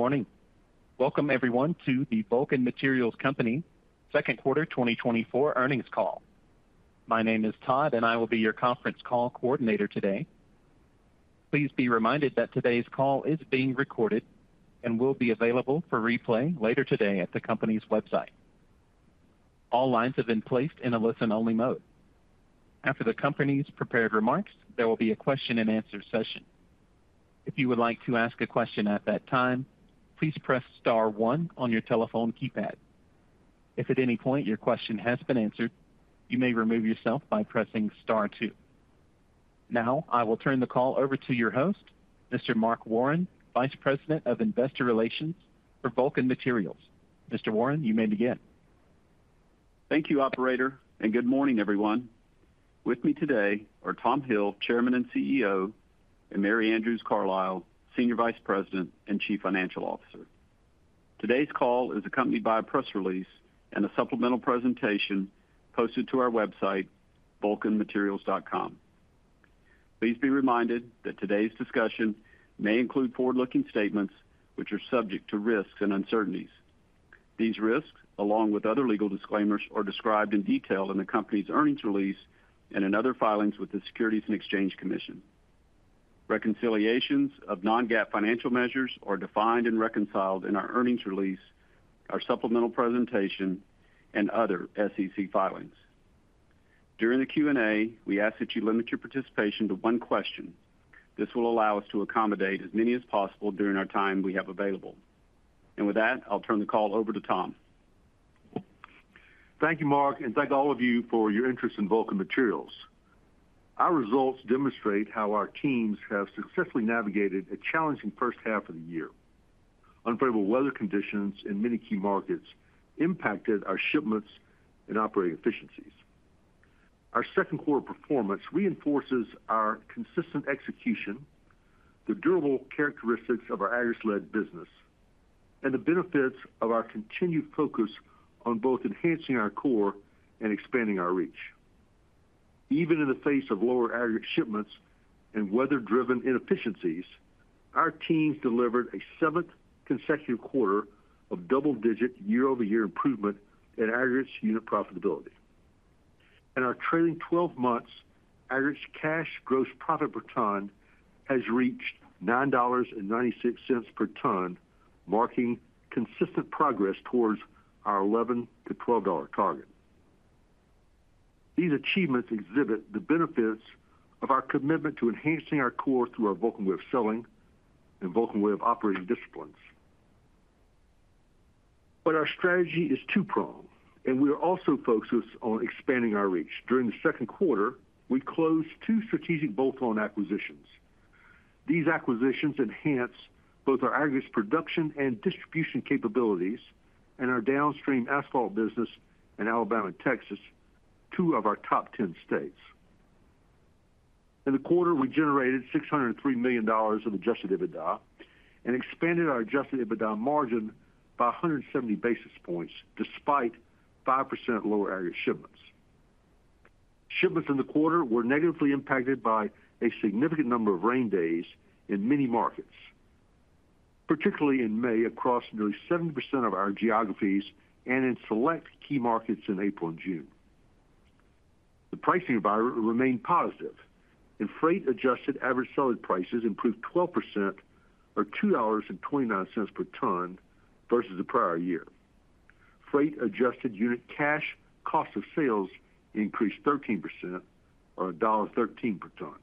Good morning. Welcome everyone to the Vulcan Materials Company second quarter 2024 earnings call. My name is Todd, and I will be your conference call coordinator today. Please be reminded that today's call is being recorded and will be available for replay later today at the company's website. All lines have been placed in a listen-only mode. After the company's prepared remarks, there will be a question-and-answer session. If you would like to ask a question at that time, please press star one on your telephone keypad. If at any point your question has been answered, you may remove yourself by pressing star two. Now, I will turn the call over to your host, Mr. Mark Warren, Vice President of Investor Relations for Vulcan Materials. Mr. Warren, you may begin. Thank you, operator, and good morning, everyone. With me today are Tom Hill, Chairman and CEO, and Mary Andrews Carlisle, Senior Vice President and Chief Financial Officer. Today's call is accompanied by a press release and a supplemental presentation posted to our website, vulcanmaterials.com. Please be reminded that today's discussion may include forward-looking statements which are subject to risks and uncertainties. These risks, along with other legal disclaimers, are described in detail in the company's earnings release and in other filings with the Securities and Exchange Commission. Reconciliations of non-GAAP financial measures are defined and reconciled in our earnings release, our supplemental presentation, and other SEC filings. During the Q&A, we ask that you limit your participation to one question. This will allow us to accommodate as many as possible during our time we have available. And with that, I'll turn the call over to Tom. Thank you, Mark, and thank all of you for your interest in Vulcan Materials. Our results demonstrate how our teams have successfully navigated a challenging first half of the year. Unfavorable weather conditions in many key markets impacted our shipments and operating efficiencies. Our second quarter performance reinforces our consistent execution, the durable characteristics of our aggregates-led business, and the benefits of our continued focus on both enhancing our core and expanding our reach. Even in the face of lower aggregate shipments and weather-driven inefficiencies, our teams delivered a seventh consecutive quarter of double-digit year-over-year improvement in aggregate unit profitability. In our trailing twelve months, average cash gross profit per ton has reached $9.96 per ton, marking consistent progress towards our $11-$12 target. These achievements exhibit the benefits of our commitment to enhancing our core through our Vulcan Way of Selling and Vulcan Way of Operating disciplines. But our strategy is two-pronged, and we are also focused on expanding our reach. During the second quarter, we closed two strategic bolt-on acquisitions. These acquisitions enhance both our aggregates production and distribution capabilities and our downstream asphalt business in Alabama and Texas, two of our top 10 states. In the quarter, we generated $603 million of adjusted EBITDA and expanded our adjusted EBITDA margin by 170 basis points, despite 5% lower aggregate shipments. Shipments in the quarter were negatively impacted by a significant number of rain days in many markets, particularly in May, across nearly 70% of our geographies and in select key markets in April and June. The pricing environment remained positive, and freight-adjusted average selling prices improved 12% or $2.29 per ton versus the prior year. Freight-adjusted unit cash cost of sales increased 13% or $1.13 per ton.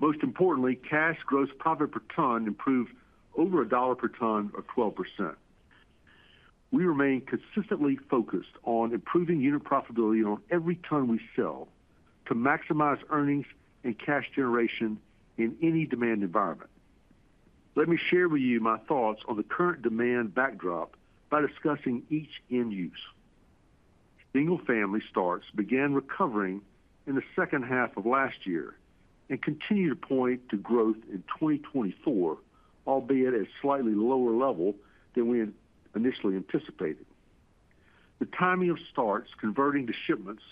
Most importantly, cash gross profit per ton improved over $1 per ton or 12%. We remain consistently focused on improving unit profitability on every ton we sell to maximize earnings and cash generation in any demand environment. Let me share with you my thoughts on the current demand backdrop by discussing each end use. Single-family starts began recovering in the second half of last year and continue to point to growth in 2024, albeit at a slightly lower level than we had initially anticipated. The timing of starts converting to shipments,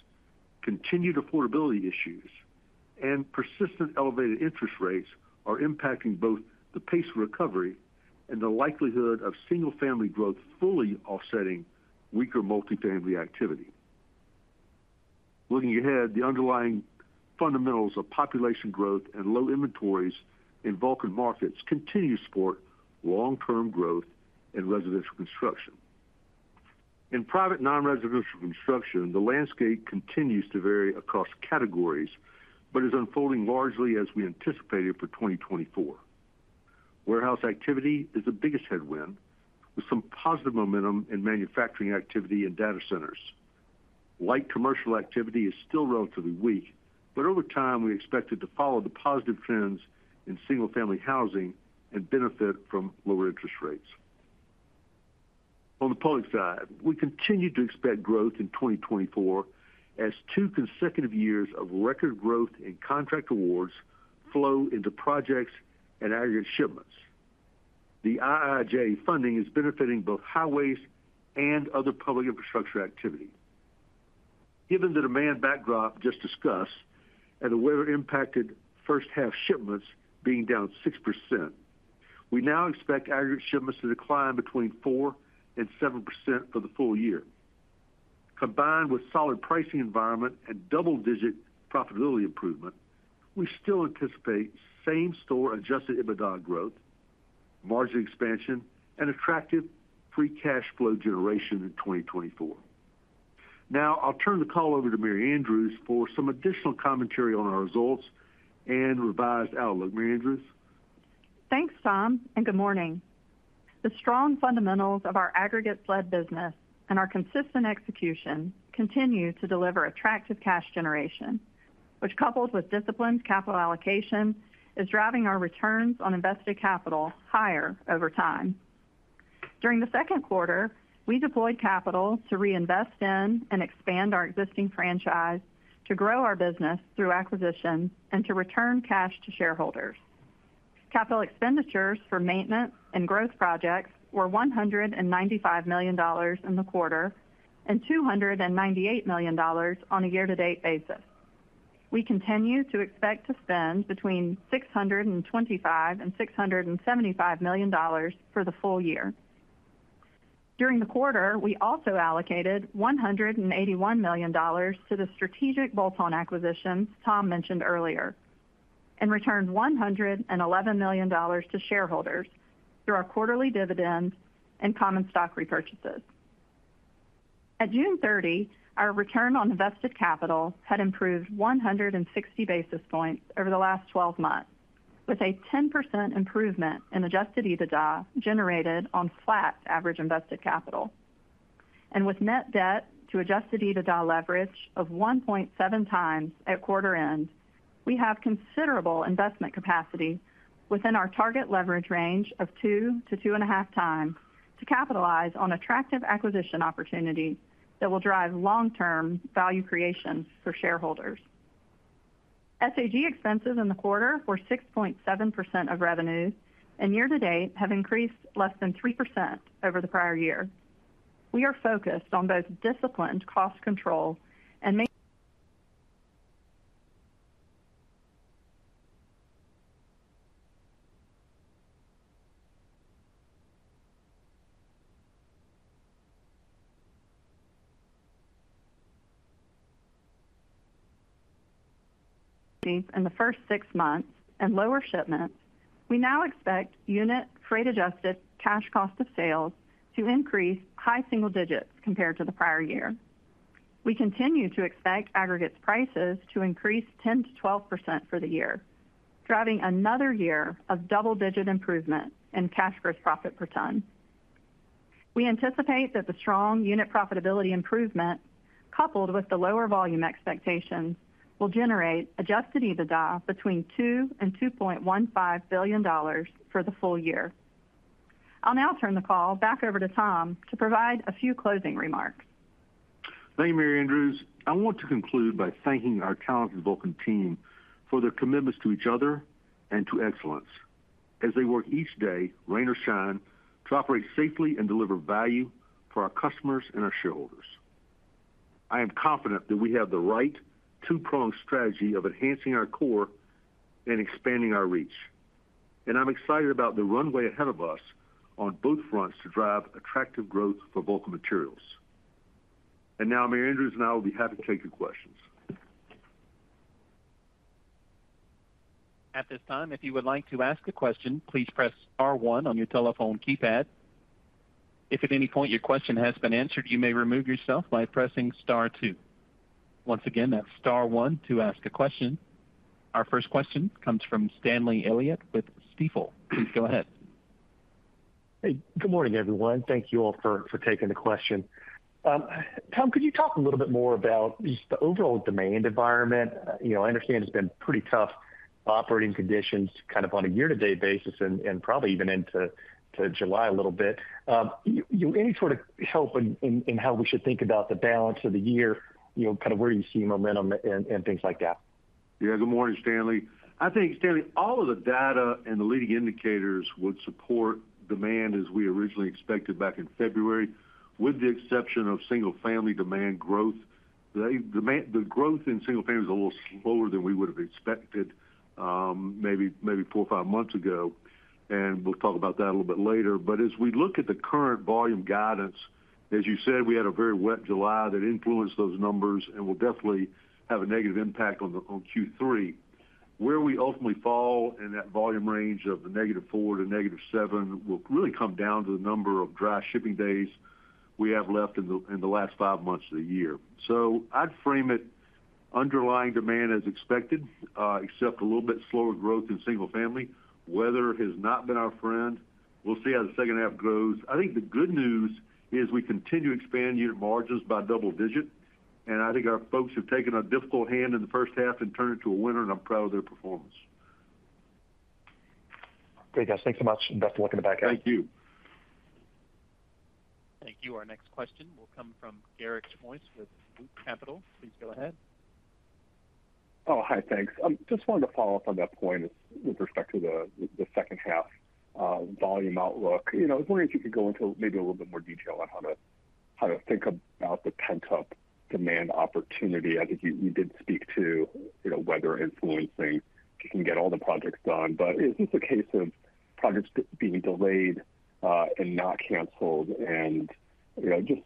continued affordability issues, and persistent elevated interest rates are impacting both the pace of recovery and the likelihood of single-family growth, fully offsetting weaker multifamily activity. Looking ahead, the underlying fundamentals of population growth and low inventories in Vulcan markets continue to support long-term growth in residential construction. In private, non-residential construction, the landscape continues to vary across categories but is unfolding largely as we anticipated for 2024. Warehouse activity is the biggest headwind, with some positive momentum in manufacturing activity and data centers. Light commercial activity is still relatively weak, but over time, we expect it to follow the positive trends in single-family housing and benefit from lower interest rates. On the public side, we continue to expect growth in 2024 as two consecutive years of record growth in contract awards flow into projects and aggregate shipments. The IIJA funding is benefiting both highways and other public infrastructure activity. Given the demand backdrop just discussed and the weather impacted first half shipments being down 6%, we now expect aggregate shipments to decline between 4% and 7% for the full year. Combined with solid pricing environment and double-digit profitability improvement, we still anticipate same-store Adjusted EBITDA growth, margin expansion, and attractive free cash flow generation in 2024. Now, I'll turn the call over to Mary Andrews for some additional commentary on our results and revised outlook. Mary Andrews? Thanks, Tom, and good morning. The strong fundamentals of our aggregates-led business and our consistent execution continue to deliver attractive cash generation, which, coupled with disciplined capital allocation, is driving our returns on invested capital higher over time. During the second quarter, we deployed capital to reinvest in and expand our existing franchise, to grow our business through acquisition, and to return cash to shareholders. Capital expenditures for maintenance and growth projects were $195 million in the quarter, and $298 million on a year-to-date basis. We continue to expect to spend between $625 million and $675 million for the full year. During the quarter, we also allocated $181 million to the strategic bolt-on acquisitions Tom mentioned earlier, and returned $111 million to shareholders through our quarterly dividends and common stock repurchases. At June 30, our return on invested capital had improved 160 basis points over the last twelve months, with a 10% improvement in adjusted EBITDA generated on flat average invested capital. With net debt to adjusted EBITDA leverage of 1.7 times at quarter end, we have considerable investment capacity within our target leverage range of 2-2.5 times, to capitalize on attractive acquisition opportunities that will drive long-term value creation for shareholders. SG&A expenses in the quarter were 6.7% of revenue, and year to date, have increased less than 3% over the prior year. We are focused on both disciplined cost control and margin. In the first six months and lower shipments, we now expect unit freight adjusted cash cost of sales to increase high single digits compared to the prior year. We continue to expect aggregates prices to increase 10%-12% for the year, driving another year of double-digit improvement in cash gross profit per ton. We anticipate that the strong unit profitability improvement, coupled with the lower volume expectations, will generate Adjusted EBITDA between $2 billion and $2.15 billion for the full year. I'll now turn the call back over to Tom to provide a few closing remarks. Thank you, Mary Andrews. I want to conclude by thanking our talented Vulcan team for their commitments to each other and to excellence as they work each day, rain or shine, to operate safely and deliver value for our customers and our shareholders. I am confident that we have the right two-pronged strategy of enhancing our core and expanding our reach, and I'm excited about the runway ahead of us on both fronts to drive attractive growth for Vulcan Materials. And now, Mary Andrews, and I will be happy to take your questions. At this time, if you would like to ask a question, please press star one on your telephone keypad. If at any point your question has been answered, you may remove yourself by pressing star two. Once again, that's star one to ask a question. Our first question comes from Stanley Elliott with Stifel. Please go ahead. Hey, good morning, everyone. Thank you all for taking the question. Tom, could you talk a little bit more about just the overall demand environment? You know, I understand it's been pretty tough operating conditions, kind of on a year-to-date basis, and probably even into July a little bit. You any sort of help in how we should think about the balance of the year, you know, kind of where you see momentum and things like that? Yeah. Good morning, Stanley. I think, Stanley, all of the data and the leading indicators would support demand as we originally expected back in February, with the exception of single-family demand growth. The growth in single family is a little slower than we would have expected, maybe, maybe four or five months ago, and we'll talk about that a little bit later. But as we look at the current volume guidance, as you said, we had a very wet July that influenced those numbers and will definitely have a negative impact on the, on Q3. Where we ultimately fall in that volume range of -4 to -7, will really come down to the number of dry shipping days we have left in the, in the last five months of the year. So I'd frame it, underlying demand as expected, except a little bit slower growth in single family. Weather has not been our friend. We'll see how the second half grows. I think the good news is we continue to expand unit margins by double digit, and I think our folks have taken a difficult hand in the first half and turned it into a winner, and I'm proud of their performance. Great, guys. Thank you so much, and best of luck in the back end. Thank you. Thank you. Our next question will come from Garik Shmois with Loop Capital. Please go ahead.... Oh, hi, thanks. I just wanted to follow up on that point with respect to the second half volume outlook. You know, I was wondering if you could go into maybe a little bit more detail on how to think about the pent-up demand opportunity, as you did speak to, you know, weather influencing. You can get all the projects done, but is this a case of projects being delayed and not canceled? And, you know, just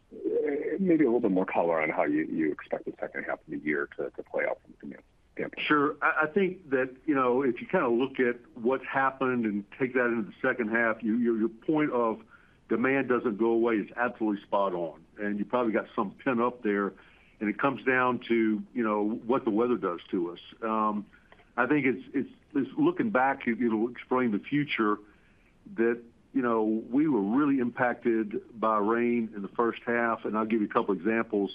maybe a little bit more color on how you expect the second half of the year to play out from here, yeah. Sure. I think that, you know, if you kind of look at what's happened and take that into the second half, your point of demand doesn't go away is absolutely spot on, and you probably got some pent up there, and it comes down to, you know, what the weather does to us. I think it's looking back, it'll explain the future that, you know, we were really impacted by rain in the first half, and I'll give you a couple examples.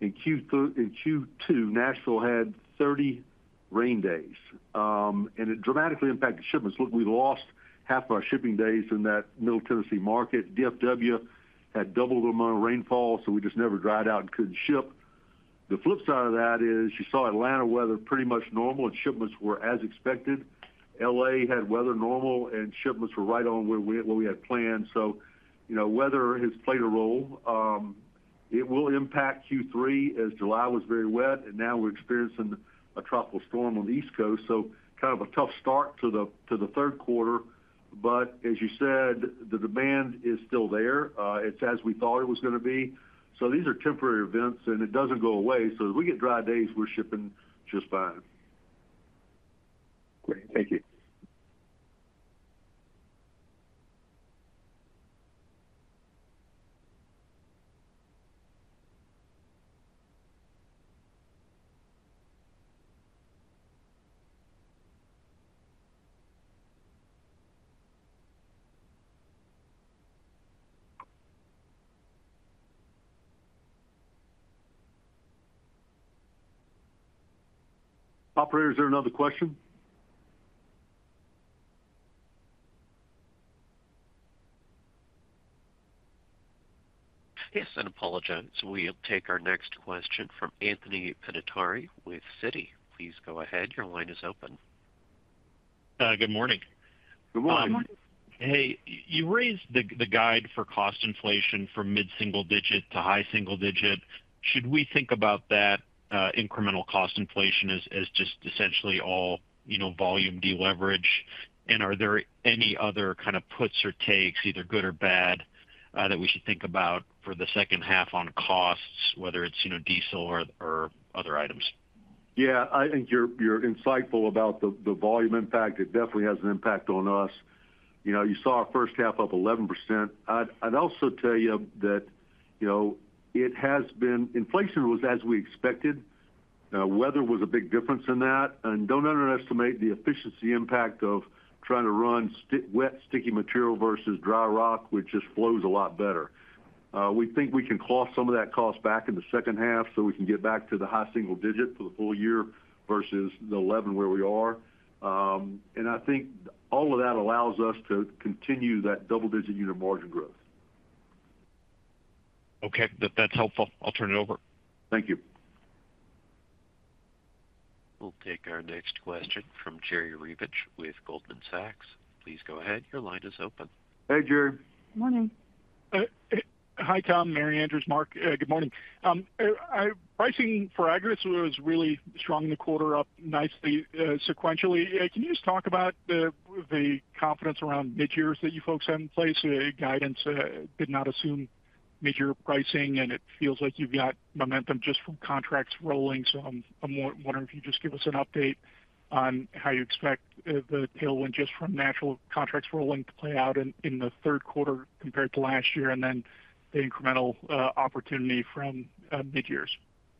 In Q2, Nashville had 30 rain days, and it dramatically impacted shipments. Look, we lost half of our shipping days in that Middle Tennessee market. DFW had double the amount of rainfall, so we just never dried out and couldn't ship. The flip side of that is you saw Atlanta weather pretty much normal and shipments were as expected. L.A. had weather normal and shipments were right on where we, where we had planned. So you know, weather has played a role. It will impact Q3, as July was very wet, and now we're experiencing a tropical storm on the East Coast. So kind of a tough start to the, to the third quarter, but as you said, the demand is still there, it's as we thought it was gonna be. So these are temporary events, and it doesn't go away. So if we get dry days, we're shipping just fine. Great. Thank you. Operator, is there another question? Yes, and apologies. We'll take our next question from Anthony Pettinari with Citi. Please go ahead. Your line is open. Good morning. Good morning. Good morning. Hey, you raised the guide for cost inflation from mid-single digit to high single digit. Should we think about that incremental cost inflation as just essentially all, you know, volume deleverage? And are there any other kind of puts or takes, either good or bad, that we should think about for the second half on costs, whether it's, you know, diesel or other items? Yeah, I think you're insightful about the volume impact. It definitely has an impact on us. You know, you saw our first half up 11%. I'd also tell you that, you know, it has been... Inflation was as we expected. Weather was a big difference in that. And don't underestimate the efficiency impact of trying to run sticky wet, sticky material versus dry rock, which just flows a lot better. We think we can claw some of that cost back in the second half, so we can get back to the high single digit for the full year versus the 11 where we are. And I think all of that allows us to continue that double-digit unit margin growth. Okay, that, that's helpful. I'll turn it over. Thank you. We'll take our next question from Jerry Revich with Goldman Sachs. Please go ahead, your line is open. Hey, Jerry. Good morning. Hi, Tom, Mary Andrews, Mark. Good morning. Pricing for aggregates was really strong in the quarter, up nicely, sequentially. Can you just talk about the confidence around mid-years that you folks have in place? Guidance did not assume mid-year pricing, and it feels like you've got momentum just from contracts rolling. So I'm more wondering if you just give us an update on how you expect the tailwind just from natural contracts rolling to play out in the third quarter compared to last year, and then the incremental opportunity from mid-years.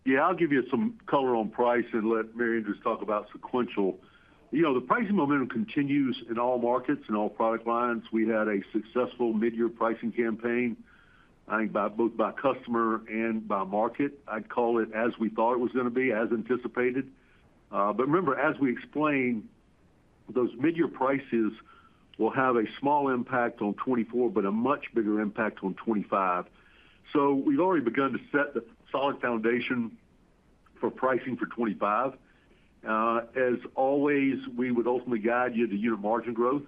Yeah, I'll give you some color on price and let Mary Andrews talk about sequential. You know, the pricing momentum continues in all markets and all product lines. We had a successful mid-year pricing campaign, I think by, both by customer and by market. I'd call it as we thought it was gonna be, as anticipated. But remember, as we explained, those mid-year prices will have a small impact on 2024, but a much bigger impact on 2025. So we've already begun to set the solid foundation for pricing for 2025. As always, we would ultimately guide you to unit margin growth,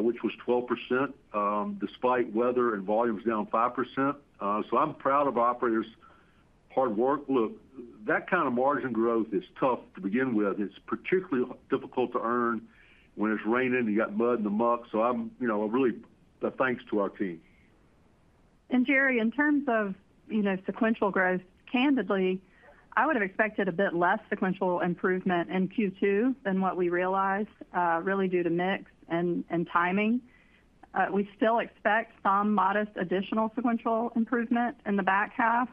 which was 12%, despite weather and volumes down 5%. So I'm proud of operators' hard work. Look, that kind of margin growth is tough to begin with. It's particularly difficult to earn when it's raining. You got mud in the muck, so I'm, you know, really a thanks to our team. And Jerry, in terms of, you know, sequential growth, candidly, I would have expected a bit less sequential improvement in Q2 than what we realized, really due to mix and, and timing. We still expect some modest additional sequential improvement in the back half,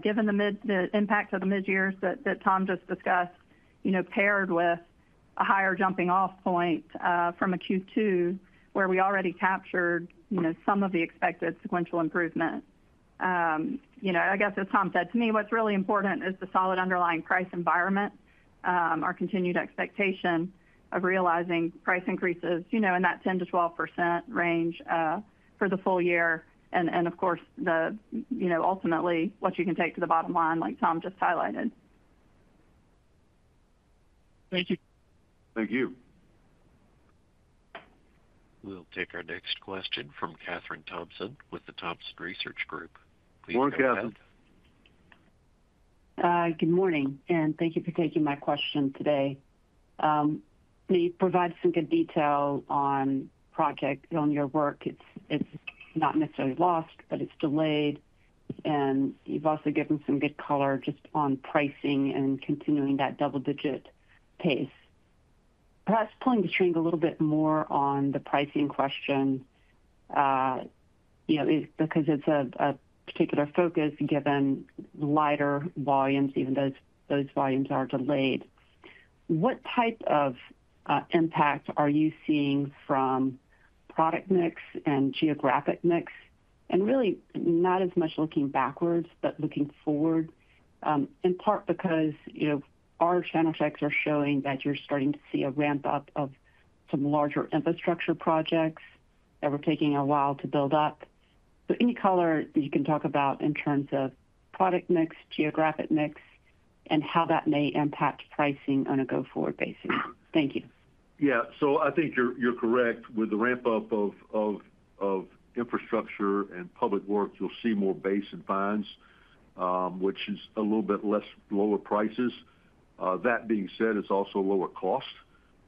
given the mid-- the impact of the midyears that, that Tom just discussed, you know, paired with a higher jumping-off point, from a Q2, where we already captured, you know, some of the expected sequential improvement. You know, I guess as Tom said, to me, what's really important is the solid underlying price environment, our continued expectation of realizing price increases, you know, in that 10%-12% range, for the full year, and, and of course, the, you know, ultimately, what you can take to the bottom line, like Tom just highlighted. Thank you. Thank you. We'll take our next question from Kathryn Thompson with the Thompson Research Group. Please go ahead. Morning, Katherine. Good morning, and thank you for taking my question today. You provided some good detail on projects, on your work. It's not necessarily lost, but it's delayed. And you've also given some good color just on pricing and continuing that double-digit pace. Perhaps pulling the string a little bit more on the pricing question, you know, because it's a particular focus, given lighter volumes, even those volumes are delayed. What type of impact are you seeing from product mix and geographic mix? And really, not as much looking backwards, but looking forward, in part because, you know, our channel checks are showing that you're starting to see a ramp-up of some larger infrastructure projects that were taking a while to build up. Any color you can talk about in terms of product mix, geographic mix, and how that may impact pricing on a go-forward basis? Thank you. Yeah. So I think you're correct. With the ramp-up of infrastructure and public works, you'll see more base and fines, which is a little bit less lower prices. That being said, it's also lower cost,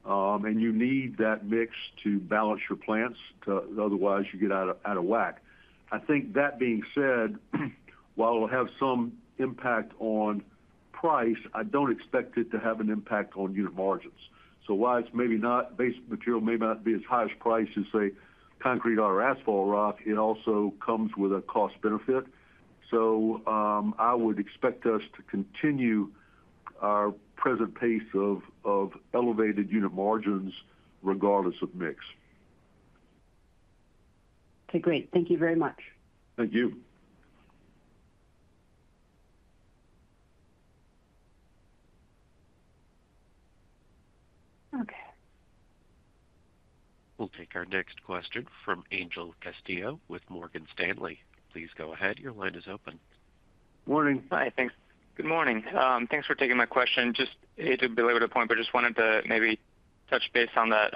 and you need that mix to balance your plants, otherwise, you get out of whack. I think that being said, while it'll have some impact on price, I don't expect it to have an impact on unit margins. So while it's maybe not, base material may not be as high as priced as, say, concrete or asphalt rock, it also comes with a cost benefit. So I would expect us to continue our present pace of elevated unit margins regardless of mix. Okay, great. Thank you very much. Thank you. Okay. We'll take our next question from Angel Castillo with Morgan Stanley. Please go ahead. Your line is open. Morning. Hi, thanks. Good morning. Thanks for taking my question. Just it's a bit over the point, but just wanted to maybe touch base on that,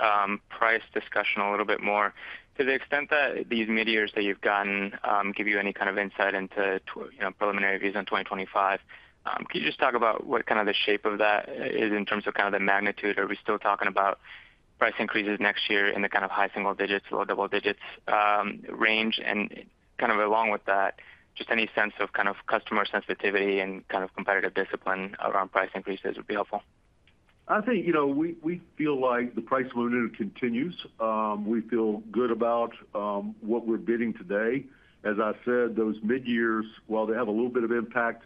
price discussion a little bit more. To the extent that these midyears that you've gotten, give you any kind of insight into you know, preliminary views on 2025. Can you just talk about what kind of the shape of that is in terms of kind of the magnitude? Are we still talking about price increases next year in the kind of high single digits or double digits, range? And kind of along with that, just any sense of kind of customer sensitivity and kind of competitive discipline around price increases would be helpful. I think, you know, we feel like the price momentum continues. We feel good about what we're bidding today. As I said, those midyears, while they have a little bit of impact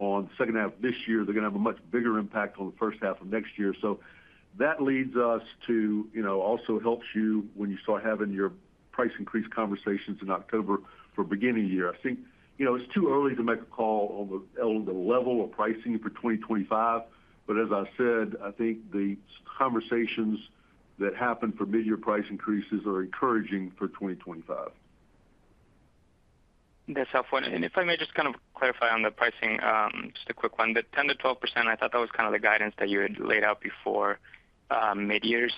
on the second half of this year, they're going to have a much bigger impact on the first half of next year. So that leads us to, you know, also helps you when you start having your price increase conversations in October for beginning of the year. I think, you know, it's too early to make a call on the level of pricing for 2025. But as I said, I think the conversations that happen for midyear price increases are encouraging for 2025. That's helpful. If I may just kind of clarify on the pricing, just a quick one. The 10%-12%, I thought that was kind of the guidance that you had laid out before midyears.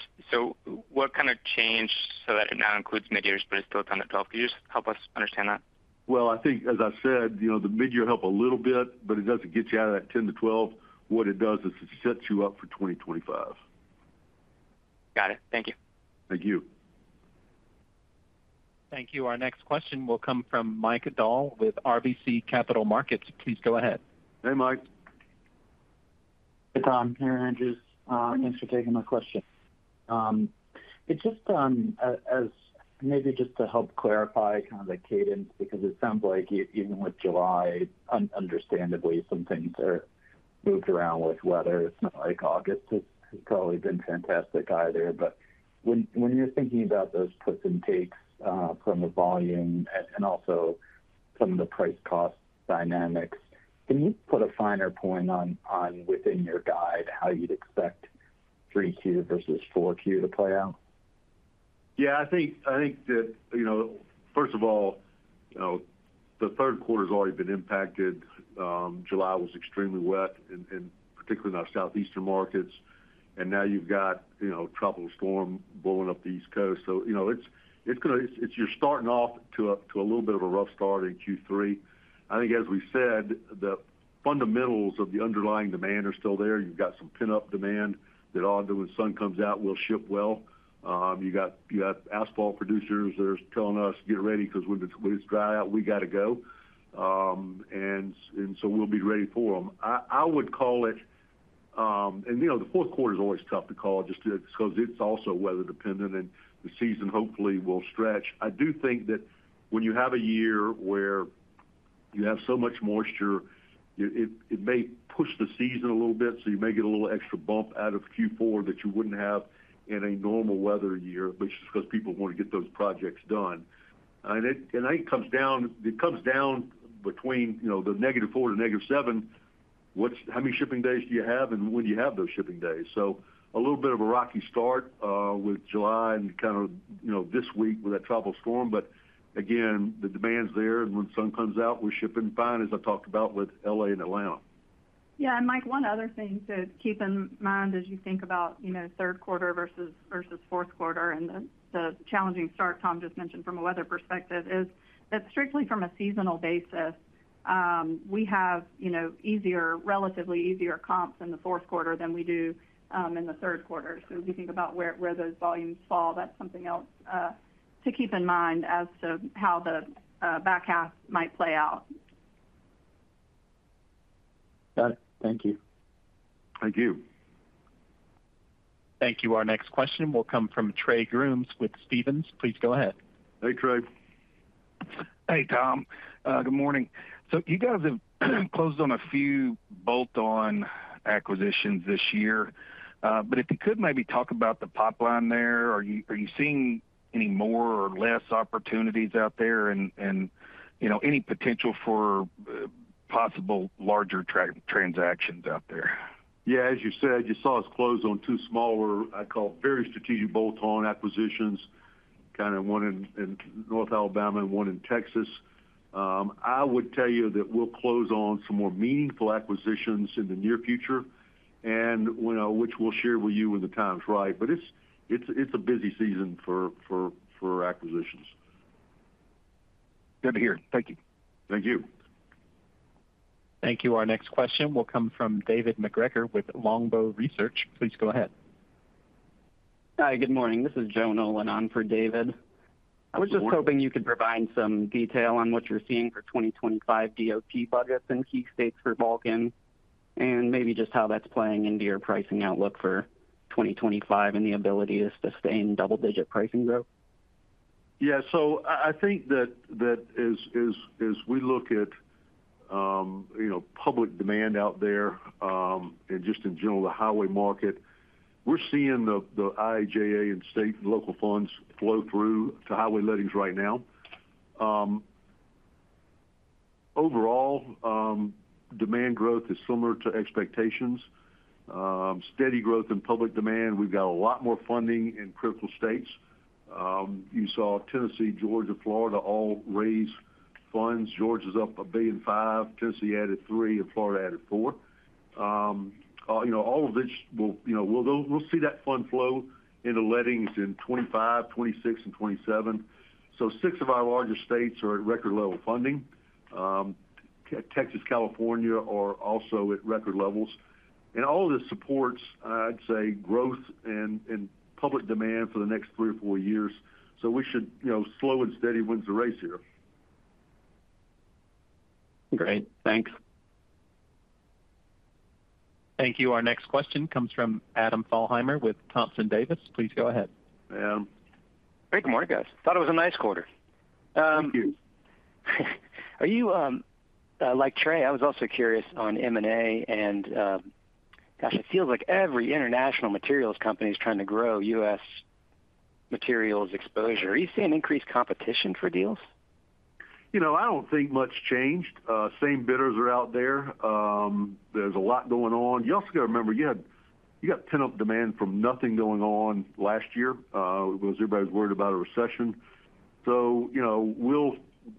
What kind of changed so that it now includes midyears, but it's still 10%-12%? Can you just help us understand that? Well, I think, as I said, you know, the midyear help a little bit, but it doesn't get you out of that 10-12. What it does is it sets you up for 2025. Got it. Thank you. Thank you. Thank you. Our next question will come from Mike Dahl with RBC Capital Markets. Please go ahead. Hey, Mike. Hey, Tom, Mary Andrews. Thanks for taking my question. It's just, as, as maybe just to help clarify kind of the cadence, because it sounds like even with July, understandably, some things are moved around with weather. It's not like August has probably been fantastic either. But when, when you're thinking about those puts and takes, from a volume and, and also some of the price cost dynamics, can you put a finer point on, on within your guide, how you'd expect 3Q versus 4Q to play out? Yeah, I think, I think that, you know, first of all, you know, the third quarter's already been impacted. July was extremely wet, and particularly in our southeastern markets. And now you've got, you know, tropical storm blowing up the East Coast. So, you know, it's gonna. You're starting off to a little bit of a rough start in Q3. I think, as we said, the fundamentals of the underlying demand are still there. You've got some pent-up demand that all when the sun comes out, will ship well. You got asphalt producers that are telling us, "Get ready, because when it's dry out, we got to go." And so we'll be ready for them. I, I would call it, and, you know, the fourth quarter is always tough to call just because it's also weather-dependent, and the season hopefully will stretch. I do think that when you have a year where you have so much moisture, it, it, it may push the season a little bit, so you may get a little extra bump out of Q4 that you wouldn't have in a normal weather year, which is because people want to get those projects done. And it, and it comes down, it comes down between, you know, -4 to -7. What's how many shipping days do you have, and when do you have those shipping days? So a little bit of a rocky start, with July and kind of, you know, this week with that tropical storm. But again, the demand's there, and when the sun comes out, we're shipping fine, as I talked about with LA and Atlanta.... Yeah, and Mike, one other thing to keep in mind as you think about, you know, third quarter versus fourth quarter and the challenging start Tom just mentioned from a weather perspective, is that strictly from a seasonal basis, we have, you know, relatively easier comps in the fourth quarter than we do in the third quarter. So as we think about where those volumes fall, that's something else to keep in mind as to how the back half might play out. Got it. Thank you. Thank you. Thank you. Our next question will come from Trey Grooms with Stephens. Please go ahead. Hey, Trey. Hey, Tom. Good morning. So you guys have closed on a few bolt-on acquisitions this year. But if you could maybe talk about the pipeline there. Are you seeing any more or less opportunities out there? And, you know, any potential for possible larger transactions out there? Yeah, as you said, you saw us close on two smaller, I'd call, very strategic bolt-on acquisitions, kind of one in North Alabama and one in Texas. I would tell you that we'll close on some more meaningful acquisitions in the near future, and, you know, which we'll share with you when the time is right. But it's a busy season for acquisitions. Good to hear. Thank you. Thank you. Thank you. Our next question will come from David MacGregor with Longbow Research. Please go ahead. Hi, good morning. This is Joe Nolan on for David. Good morning. I was just hoping you could provide some detail on what you're seeing for 2025 DOT budgets in key states for Vulcan, and maybe just how that's playing into your pricing outlook for 2025 and the ability to sustain double-digit pricing growth? Yeah, so I think that as we look at, you know, public demand out there, and just in general, the highway market, we're seeing the IIJA and state and local funds flow through to highway lettings right now. Overall, demand growth is similar to expectations. Steady growth in public demand. We've got a lot more funding in critical states. You saw Tennessee, Georgia, Florida, all raise funds. Georgia's up $1.5 billion, Tennessee added $3 billion, and Florida added $4 billion. You know, all of this will, you know, we'll see that fund flow into lettings in 2025, 2026, and 2027. So six of our largest states are at record level funding. Texas, California, are also at record levels. All of this supports, I'd say, growth and public demand for the next three or four years. We should, you know, slow and steady wins the race here. Great. Thanks. Thank you. Our next question comes from Adam Thalhimer with Thompson Davis. Please go ahead. Hi, Adam. Great, good morning, guys. Thought it was a nice quarter. Thank you. Are you, like Trey, I was also curious on M&A, and, gosh, it feels like every international materials company is trying to grow U.S. materials exposure. Are you seeing increased competition for deals? You know, I don't think much changed. Same bidders are out there. There's a lot going on. You also got to remember, you got pent-up demand from nothing going on last year, because everybody was worried about a recession. So, you know, we'll,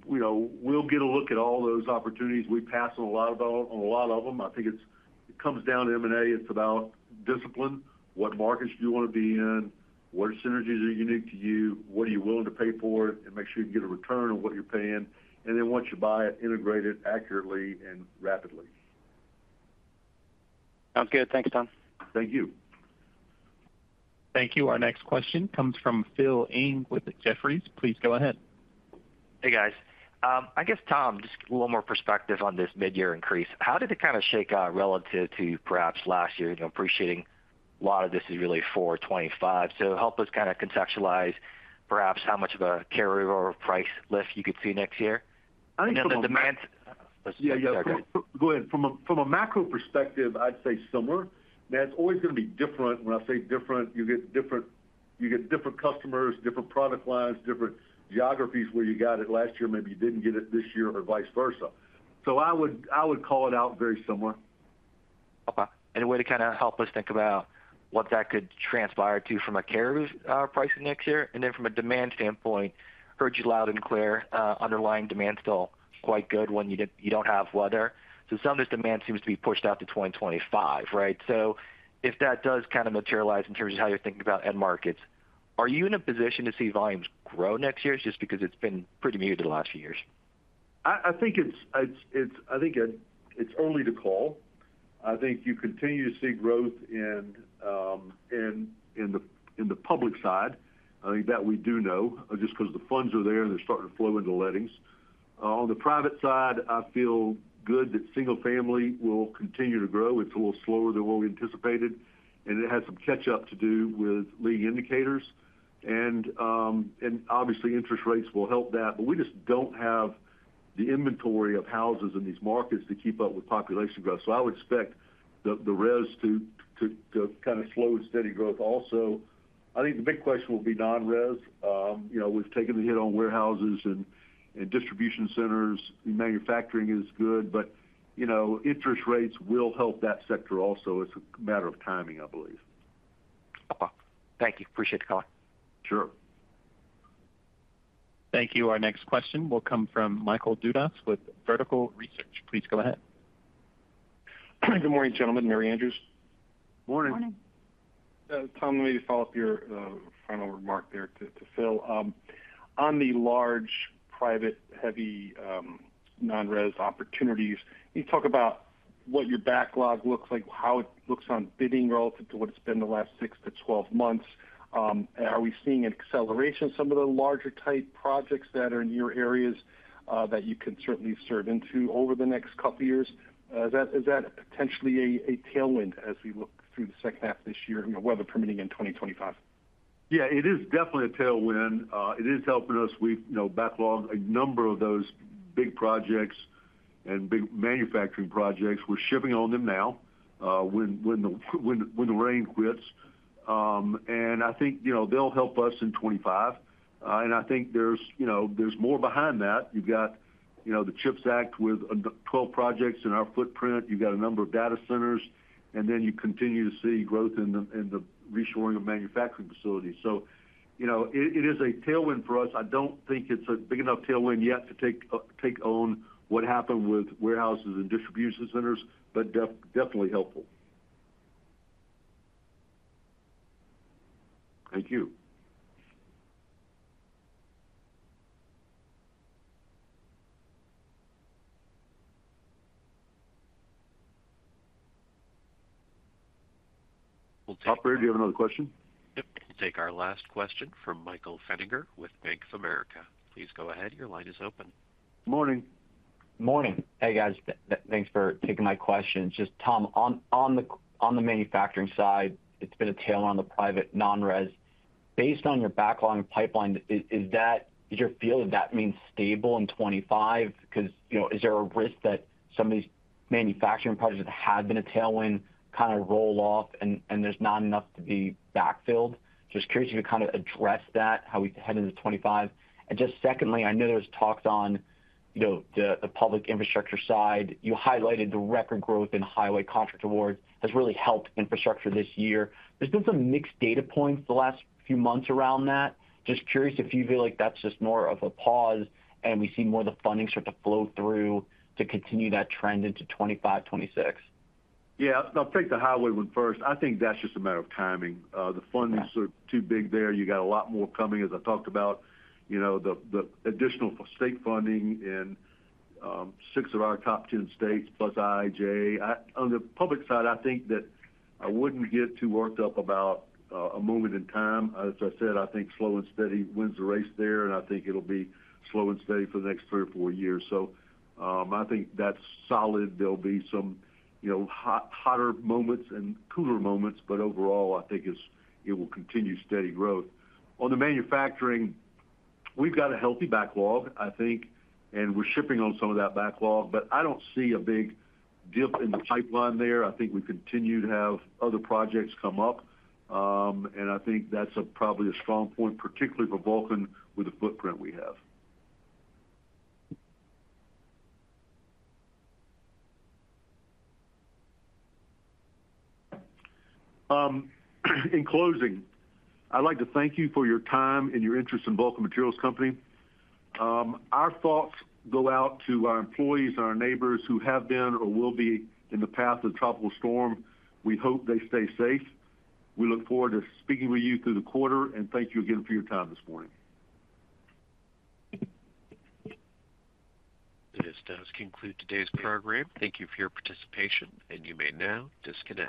you know, we'll get a look at all those opportunities. We pass on a lot on a lot of them. I think it's, it comes down to M&A, it's about discipline, what markets do you want to be in? What synergies are unique to you? What are you willing to pay for it? And make sure you get a return on what you're paying, and then once you buy it, integrate it accurately and rapidly. Sounds good. Thanks, Tom. Thank you. Thank you. Our next question comes from Phil Ng with Jefferies. Please go ahead. Hey, guys. I guess, Tom, just a little more perspective on this mid-year increase. How did it kind of shake out relative to perhaps last year? You know, appreciating a lot of this is really for 2025. So help us kind of contextualize, perhaps how much of a carrier or price lift you could see next year- I think from a- You know, the demand... Sorry. Yeah, yeah. Go ahead. From a macro perspective, I'd say similar. Now, it's always going to be different. When I say different, you get different customers, different product lines, different geographies where you got it last year, maybe you didn't get it this year, or vice versa. So I would call it out very similar. Okay. Any way to kind of help us think about what that could transpire to from a carrier's pricing next year? And then from a demand standpoint, heard you loud and clear, underlying demand is still quite good when you don't, you don't have weather. So some of this demand seems to be pushed out to 2025, right? So if that does kind of materialize in terms of how you're thinking about end markets, are you in a position to see volumes grow next year, just because it's been pretty muted in the last few years? I think it's early to call. I think you continue to see growth in the public side. I think that we do know just because the funds are there, and they're starting to flow into lettings. On the private side, I feel good that single family will continue to grow. It's a little slower than what we anticipated, and it has some catch up to do with leading indicators. Obviously, interest rates will help that, but we just don't have the inventory of houses in these markets to keep up with population growth. So I would expect the res to kind of slow and steady growth. Also, I think the big question will be non-res. You know, we've taken the hit on warehouses and distribution centers. Manufacturing is good, but, you dknow, interest rates will help that sector also. It's a matter of timing, I believe. Okay. Thank you. Appreciate the call. Sure.... Thank you. Our next question will come from Michael Dudas with Vertical Research. Please go ahead. Good morning, gentlemen, Mary Andrews. Morning. Morning. Tom, let me follow up your final remark there to Phil. On the large, private, heavy non-res opportunities, can you talk about what your backlog looks like, how it looks on bidding relative to what it's been the last 6-12 months? Are we seeing an acceleration in some of the larger type projects that are in your areas that you can certainly serve into over the next couple of years? Is that potentially a tailwind as we look through the second half of this year, I mean, weather permitting, in 2025? Yeah, it is definitely a tailwind. It is helping us. We've, you know, backlogged a number of those big projects and big manufacturing projects. We're shipping on them now, when the rain quits. And I think, you know, they'll help us in 25. And I think there's, you know, there's more behind that. You've got, you know, the CHIPS Act with the 12 projects in our footprint. You've got a number of data centers, and then you continue to see growth in the reshoring of manufacturing facilities. So, you know, it is a tailwind for us. I don't think it's a big enough tailwind yet to take on what happened with warehouses and distribution centers, but definitely helpful. Thank you. We'll take- Operator, do you have another question? Yep. We'll take our last question from Michael Feniger with Bank of America. Please go ahead, your line is open. Morning. Morning. Hey, guys, thanks for taking my questions. Just Tom, on the manufacturing side, it's been a tailwind on the private non-res. Based on your backlog and pipeline, is your feel that that means stable in 25? Because, you know, is there a risk that some of these manufacturing projects that have been a tailwind kind of roll off and there's not enough to be backfilled? Just curious if you kind of address that, how we head into 25. And just secondly, I know there's talks on, you know, the public infrastructure side. You highlighted the record growth in highway contract awards, has really helped infrastructure this year. There's been some mixed data points the last few months around that. Just curious if you feel like that's just more of a pause, and we see more of the funding start to flow through to continue that trend into 2025, 2026. Yeah. I'll take the highway one first. I think that's just a matter of timing. The funds are too big there. You got a lot more coming, as I talked about, you know, the additional state funding in six of our top ten states, plus IIJA. On the public side, I think that I wouldn't get too worked up about a moment in time. As I said, I think slow and steady wins the race there, and I think it'll be slow and steady for the next three or four years. So, I think that's solid. There'll be some, you know, hot, hotter moments and cooler moments, but overall, I think it's, it will continue steady growth. On the manufacturing, we've got a healthy backlog, I think, and we're shipping on some of that backlog, but I don't see a big dip in the pipeline there. I think we continue to have other projects come up. I think that's a probably a strong point, particularly for Vulcan, with the footprint we have. In closing, I'd like to thank you for your time and your interest in Vulcan Materials Company. Our thoughts go out to our employees, our neighbors who have been or will be in the path of tropical storm. We hope they stay safe. We look forward to speaking with you through the quarter, and thank you again for your time this morning. This does conclude today's program. Thank you for your participation, and you may now disconnect.